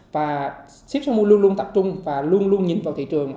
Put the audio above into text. và sip sáu mươi luôn luôn tập trung và luôn luôn nhìn vào thị trường